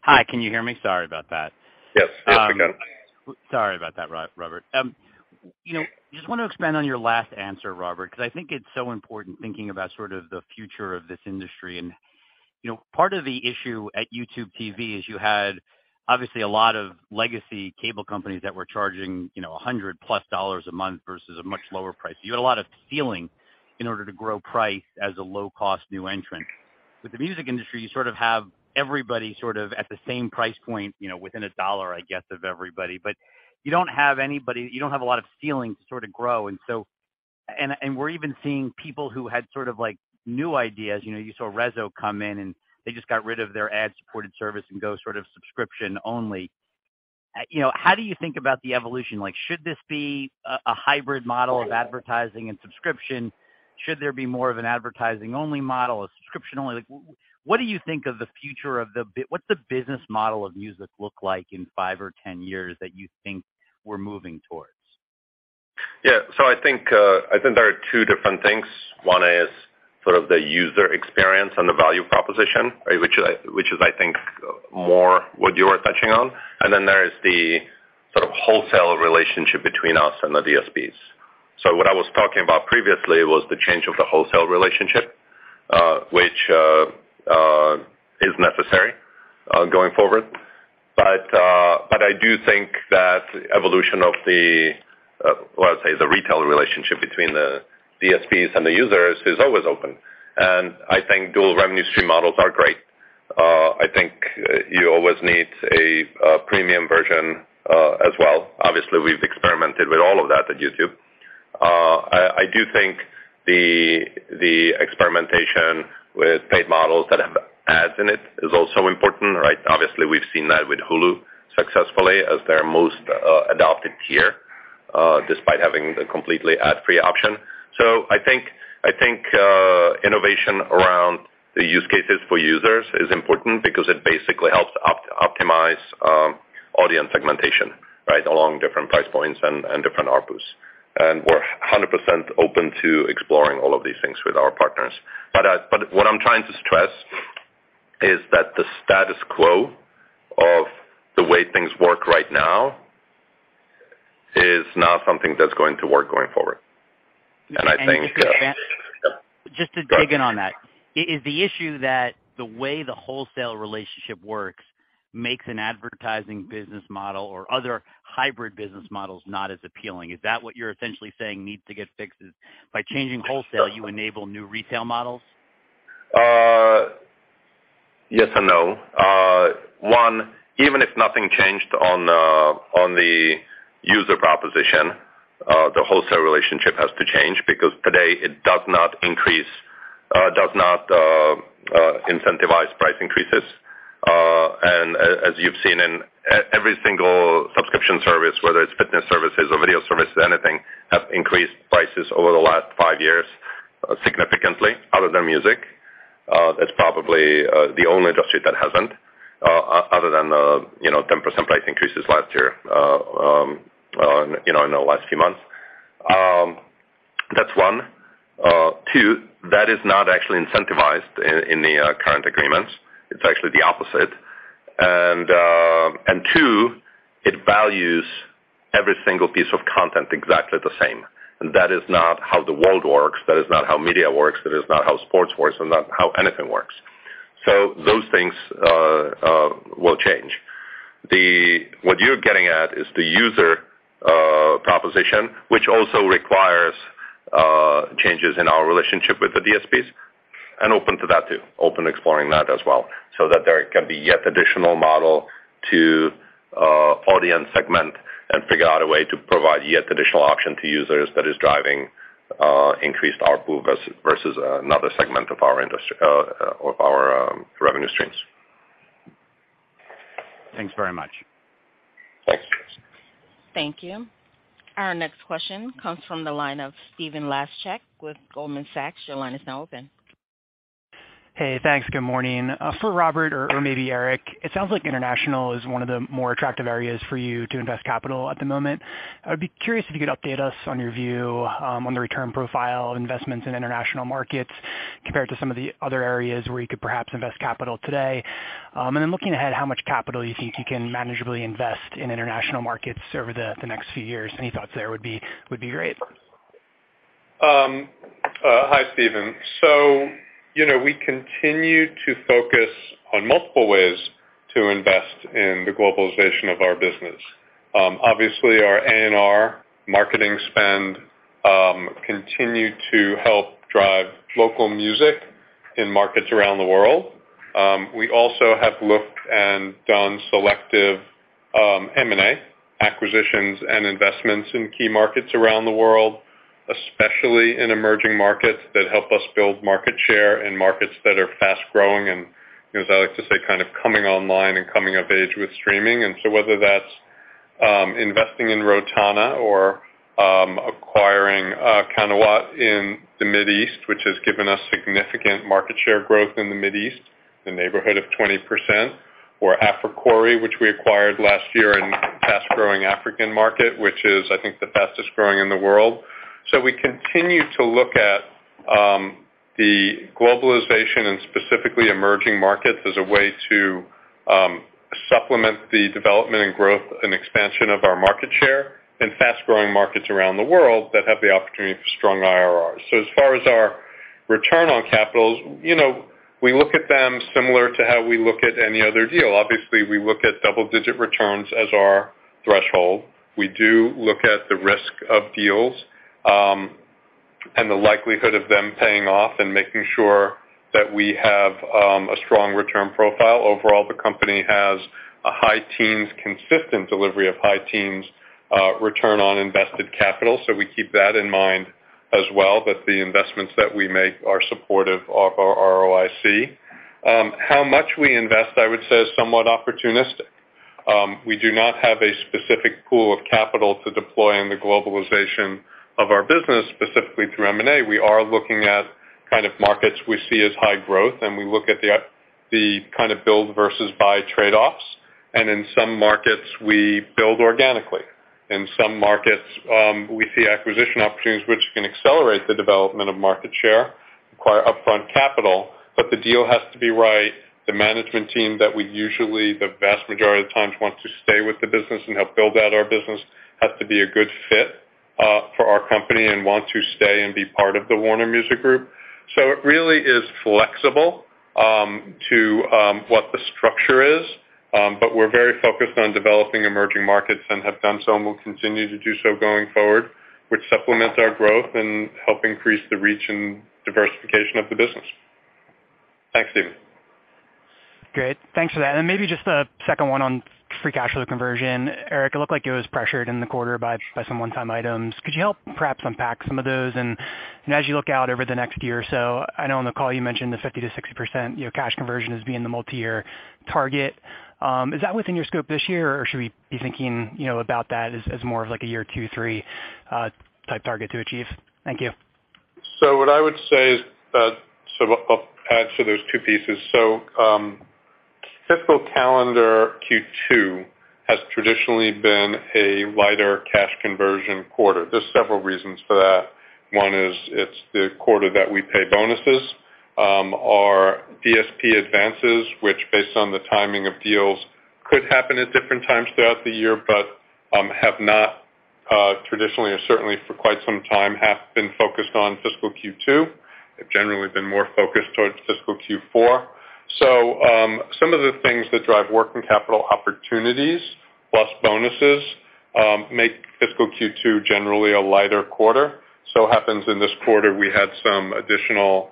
[SPEAKER 9] Hi, can you hear me? Sorry about that.
[SPEAKER 3] Yes. Yes, we can.
[SPEAKER 9] Sorry about that, Robert. You know, just want to expand on your last answer, Robert, 'cause I think it's so important thinking about sort of the future of this industry. You know, part of the issue at YouTube TV is you had obviously a lot of legacy cable companies that were charging, you know, $100+ a month versus a much lower price. You had a lot of stealing in order to grow price as a low-cost new entrant. With the music industry, you sort of have everybody sort of at the same price point, you know, within $1, I guess, of everybody. You don't have a lot of stealing to sort of grow. We're even seeing people who had sort of like new ideas. You know, you saw Resso come in, and they just got rid of their ad-supported service and go sort of subscription only. You know, how do you think about the evolution? Like, should this be a hybrid model of advertising and subscription? Should there be more of an advertising only model, a subscription only? Like, what do you think of the future of what's the business model of music look like in five or 10 years that you think we're moving towards?
[SPEAKER 3] Yeah. I think there are two different things. One is sort of the user experience and the value proposition, right? Which is, I think, more what you are touching on. There is the sort of wholesale relationship between us and the DSPs. What I was talking about previously was the change of the wholesale relationship, which is necessary going forward. I do think that evolution of the, well, let's say, the retail relationship between the DSPs and the users is always open. I think dual revenue stream models are great. I think you always need a premium version as well. Obviously, we've experimented with all of that at YouTube. I do think the experimentation with paid models that have ads in it is also important, right? Obviously, we've seen that with Hulu successfully as their most adopted tier, despite having a completely ad free option. I think, innovation around the use cases for users is important because it basically helps optimize audience segmentation, right? Along different price points and different ARPU. We're 100% open to exploring all of these things with our partners. What I'm trying to stress is that the status quo of the way things work right now is not something that's going to work going forward. I think.
[SPEAKER 9] Just to dig in on that.
[SPEAKER 3] Go ahead.
[SPEAKER 9] Is the issue that the way the wholesale relationship works makes an advertising business model or other hybrid business models not as appealing? Is that what you're essentially saying needs to get fixed, is by changing wholesale, you enable new retail models?
[SPEAKER 3] Yes and no. One, even if nothing changed on the user proposition, the wholesale relationship has to change because today it does not incentivize price increases. As you've seen in every single subscription service, whether it's fitness services or video services, anything, have increased prices over the last five years, significantly other than music. That's probably the only industry that hasn't, other than the, you know, 10% price increases last year, you know, in the last few months. That's one. Two, that is not actually incentivized in the current agreements. It's actually the opposite. Two, it values every single piece of content exactly the same. That is not how the world works. That is not how media works. That is not how sports works and not how anything works. Those things will change. What you're getting at is the user proposition, which also requires changes in our relationship with the DSPs and open to that too, open exploring that as well, so that there can be yet additional model to audience segment and figure out a way to provide yet additional option to users that is driving increased ARPU versus another segment of our industry of our revenue streams.
[SPEAKER 9] Thanks very much.
[SPEAKER 3] Thanks.
[SPEAKER 1] Thank you. Our next question comes from the line of Stephen Laszczyk with Goldman Sachs. Your line is now open.
[SPEAKER 10] Hey, thanks. Good morning. For Robert or maybe Eric, it sounds like international is one of the more attractive areas for you to invest capital at the moment. I would be curious if you could update us on your view, on the return profile of investments in international markets compared to some of the other areas where you could perhaps invest capital today. Then looking ahead, how much capital you think you can manageably invest in international markets over the next few years. Any thoughts there would be great.
[SPEAKER 4] Hi, Stephen. You know, we continue to focus on multiple ways to invest in the globalization of our business. Obviously, our A&R marketing spend continue to help drive local music in markets around the world. We also have looked and done selective M&A acquisitions and investments in key markets around the world, especially in emerging markets that help us build market share in markets that are fast-growing, and, you know, as I like to say, kind of coming online and coming of age with streaming. Whether that's investing in Rotana or acquiring Qanawat in the Mid East, which has given us significant market share growth in the Mid East, in the neighborhood of 20%, or Africori, which we acquired last year in fast-growing African market, which is, I think, the fastest-growing in the world. We continue to look at the globalization and specifically emerging markets as a way to supplement the development and growth and expansion of our market share in fast-growing markets around the world that have the opportunity for strong IRRs. As far as our return on capitals, you know, we look at them similar to how we look at any other deal. Obviously, we look at double-digit returns as our threshold. We do look at the risk of deals and the likelihood of them paying off and making sure that we have a strong return profile. Overall, the company has a high teens, consistent delivery of high teens, return on invested capital, so we keep that in mind as well, that the investments that we make are supportive of our ROIC. How much we invest, I would say, is somewhat opportunistic. We do not have a specific pool of capital to deploy in the globalization of our business, specifically through M&A. We are looking at kind of markets we see as high growth, we look at the kind of build versus buy trade-offs. In some markets, we build organically. In some markets, we see acquisition opportunities which can accelerate the development of market share, require upfront capital. The deal has to be right. The management team that we usually, the vast majority of the times want to stay with the business and help build out our business has to be a good fit for our company and want to stay and be part of the Warner Music Group. It really is flexible to what the structure is. We're very focused on developing emerging markets and have done so and will continue to do so going forward, which supplements our growth and help increase the reach and diversification of the business. Thanks, Stephen.
[SPEAKER 10] Great. Thanks for that. Maybe just a second one on free cash flow conversion. Eric, it looked like it was pressured in the quarter by some one-time items. Could you help perhaps unpack some of those? As you look out over the next year or so, I know on the call you mentioned the 50% to 60%, you know, cash conversion as being the multi-year target. Is that within your scope this year, or should we be thinking, you know, about that as more of like a year two, three type target to achieve? Thank you.
[SPEAKER 4] What I would say is I'll add to those two pieces. Fiscal calendar Q2 has traditionally been a lighter cash conversion quarter. There's several reasons for that. One is it's the quarter that we pay bonuses. Our VSP advances, which based on the timing of deals, could happen at different times throughout the year, but have not traditionally or certainly for quite some time, have been focused on fiscal Q2. They've generally been more focused towards fiscal Q4. Some of the things that drive working capital opportunities plus bonuses make fiscal Q2 generally a lighter quarter. Happens in this quarter, we had some additional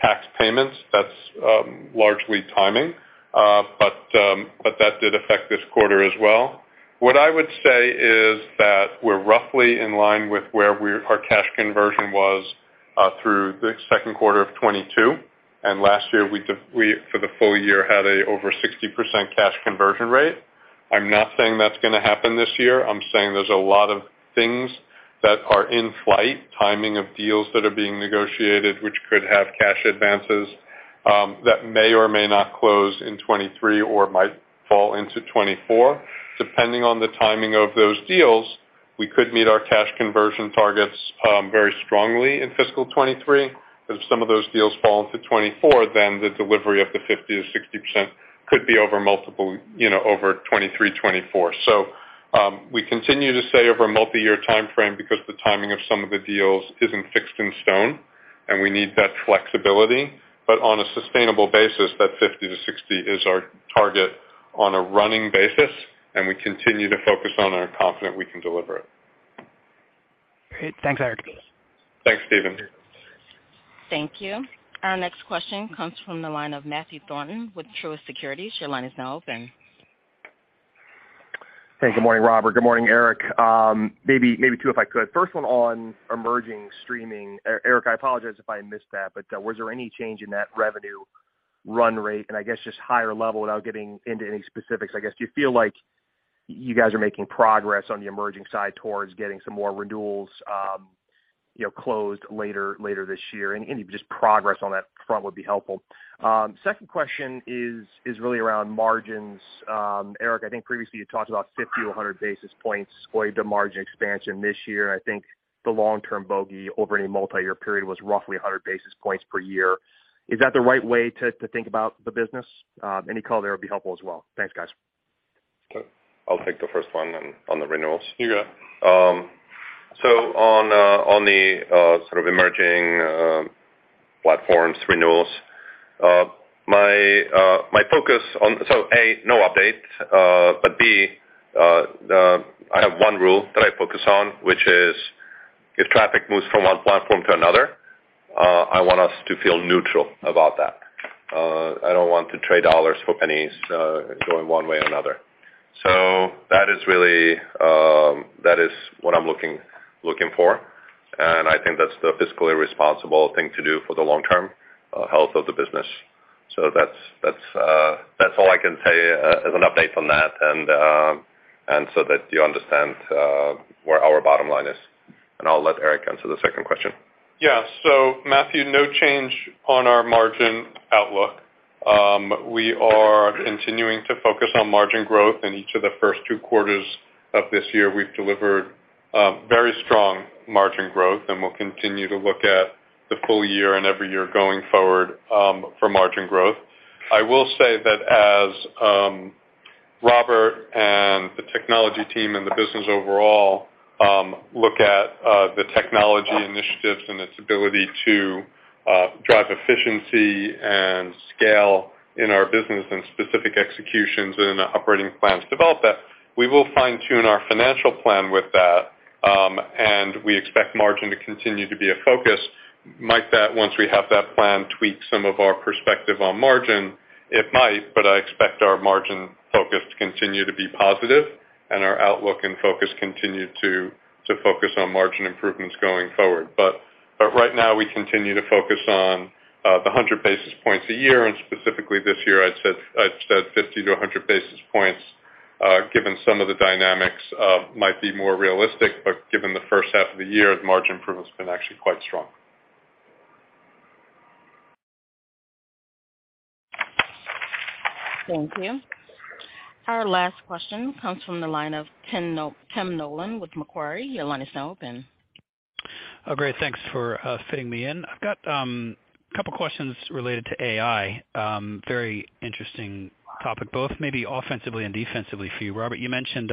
[SPEAKER 4] tax payments. That's largely timing. That did affect this quarter as well. What I would say is that we're roughly in line with where our cash conversion was through the second quarter of 2022. Last year we, for the full year, had a over 60% cash conversion rate. I'm not saying that's gonna happen this year. I'm saying there's a lot of things that are in flight, timing of deals that are being negotiated, which could have cash advances that may or may not close in 2023 or might fall into 2024. Depending on the timing of those deals, we could meet our cash conversion targets very strongly in fiscal 2023. If some of those deals fall into 2024, then the delivery of the 50%-60% could be over multiple, you know, over 2023, 2024. We continue to say over a multi-year timeframe because the timing of some of the deals isn't fixed in stone, and we need that flexibility. On a sustainable basis, that 50%-60% is our target on a running basis, and we continue to focus on and are confident we can deliver it.
[SPEAKER 10] Great. Thanks, Eric.
[SPEAKER 4] Thanks, Stephen.
[SPEAKER 1] Thank you. Our next question comes from the line of Matthew Thornton with Truist Securities. Your line is now open.
[SPEAKER 11] Hey, good morning, Robert. Good morning, Eric. Maybe two, if I could. First one on emerging streaming. Eric, I apologize if I missed that, but was there any change in that revenue run rate and I guess just higher level without getting into any specifics, I guess. Do you feel like you guys are making progress on the emerging side towards getting some more renewals, you know, closed later this year. Any just progress on that front would be helpful. Second question is really around margins. Eric, I think previously you talked about 50-100 basis points OIBDA margin expansion this year. I think the long-term bogey over any multi-year period was roughly 100 basis points per year. Is that the right way to think about the business? Any call there would be helpful as well. Thanks, guys.
[SPEAKER 3] Okay. I'll take the first one on the renewals.
[SPEAKER 11] You got it.
[SPEAKER 3] On the sort of emerging platforms renewals, my focus on. A, no update. B, the, I have one rule that I focus on, which is if traffic moves from one platform to another, I want us to feel neutral about that. I don't want to trade dollars for pennies, going one way or another. That is really, that is what I'm looking for, and I think that's the fiscally responsible thing to do for the long-term health of the business. That's all I can say as an update on that. That you understand, where our bottom line is. I'll let Eric answer the second question.
[SPEAKER 4] Yeah. Matthew, no change on our margin outlook. We are continuing to focus on margin growth. In each of the first two quarters of this year, we've delivered very strong margin growth, and we'll continue to look at the full year and every year going forward for margin growth. I will say that as Robert and the technology team and the business overall look at the technology initiatives and its ability to drive efficiency and scale in our business and specific executions and operating plans develop that, we will fine-tune our financial plan with that. We expect margin to continue to be a focus. Might that, once we have that plan, tweak some of our perspective on margin? It might, but I expect our margin focus to continue to be positive and our outlook and focus continue to focus on margin improvements going forward. Right now, we continue to focus on the 100 basis points a year, and specifically this year, I'd said 50 to 100 basis points, given some of the dynamics, might be more realistic. Given the first half of the year, the margin improvement's been actually quite strong.
[SPEAKER 1] Thank you. Our last question comes from the line of Tim Nollen with Macquarie. Your line is now open.
[SPEAKER 12] Great. Thanks for fitting me in. I've got couple of questions related to AI, very interesting topic, both maybe offensively and defensively for you. Robert, you mentioned,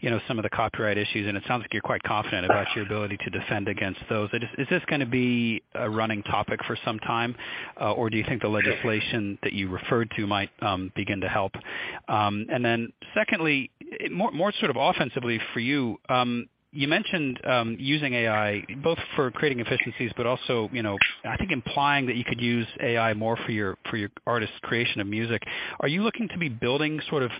[SPEAKER 12] you know, some of the copyright issues, and it sounds like you're quite confident about your ability to defend against those. Is this gonna be a running topic for some time, or do you think the legislation that you referred to might begin to help? Secondly, more sort of offensively for you mentioned using AI both for creating efficiencies, but also, you know, I think implying that you could use AI more for your artists' creation of music. Are you looking to be building sort of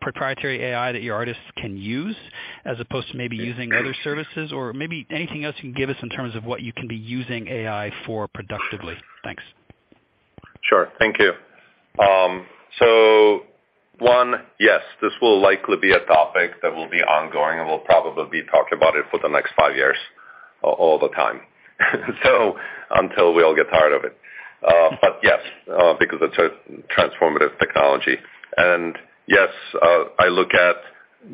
[SPEAKER 12] proprietary AI that your artists can use as opposed to maybe using other services? Maybe anything else you can give us in terms of what you can be using AI for productively? Thanks.
[SPEAKER 3] Sure. Thank you. One, yes, this will likely be a topic that will be ongoing and we'll probably be talking about it for the next five years all the time. Until we all get tired of it. Yes, because it's a transformative technology. Yes, I look at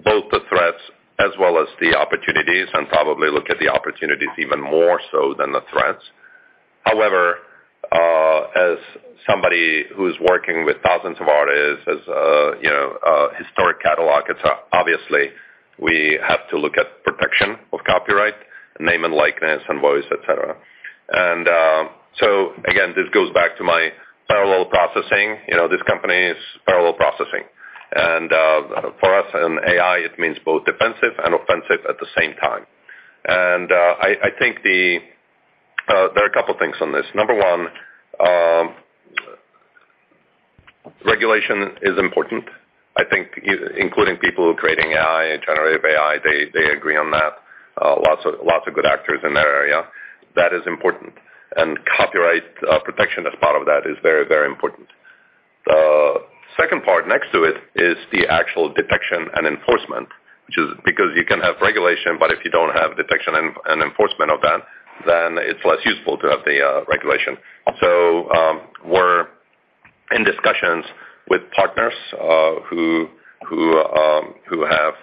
[SPEAKER 3] both the threats as well as the opportunities and probably look at the opportunities even more so than the threats. However, as somebody who's working with thousands of artists, as you know, historic catalog, it's obviously we have to look at protection of copyright, name and likeness and voice, et cetera. Again, this goes back to my parallel processing. You know, this company is parallel processing. For us in AI, it means both defensive and offensive at the same time. I think the... There are a couple things on this. Number one, regulation is important. I think including people who are creating AI, generative AI, they agree on that. Lots of good actors in that area. That is important. Copyright protection as part of that is very important. The second part next to it is the actual detection and enforcement, which is because you can have regulation, but if you don't have detection and enforcement of that, then it's less useful to have the regulation. We're in discussions with partners who have,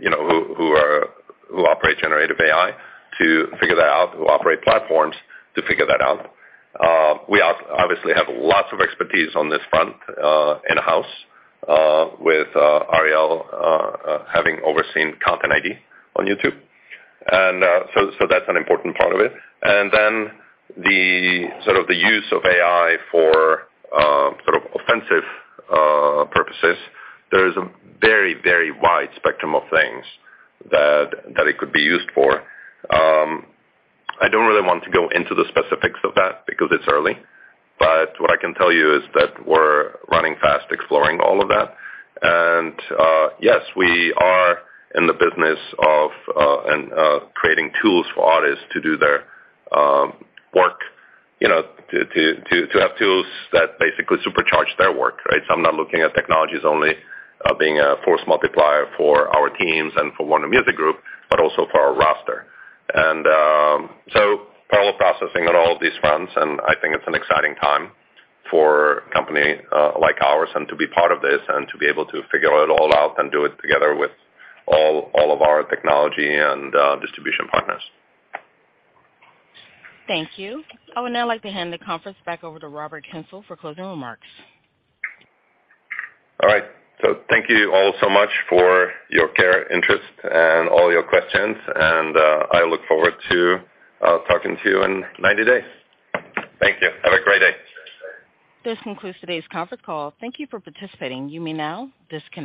[SPEAKER 3] you know, who operate generative AI to figure that out, who operate platforms to figure that out. We obviously have lots of expertise on this front in-house with Ariel having overseen Content ID on YouTube. That's an important part of it. Then the sort of the use of AI for, sort of offensive, purposes, there is a very, very wide spectrum of things that it could be used for. I don't really want to go into the specifics of that because it's early, but what I can tell you is that we're running fast, exploring all of that. Yes, we are in the business of, and, creating tools for artists to do their work, you know, to have tools that basically supercharge their work, right? I'm not looking at technologies only, being a force multiplier for our teams and for Warner Music Group, but also for our roster. Parallel processing on all of these fronts, and I think it's an exciting time for a company like ours and to be part of this and to be able to figure it all out and do it together with all of our technology and distribution partners.
[SPEAKER 1] Thank you. I would now like to hand the conference back over to Robert Kyncl for closing remarks.
[SPEAKER 3] All right. Thank you all so much for your care, interest and all your questions, and I look forward to talking to you in 90 days. Thank you. Have a great day.
[SPEAKER 1] This concludes today's conference call. Thank you for participating. You may now disconnect.